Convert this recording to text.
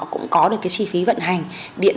cũng có được cái chi phí vận hành điện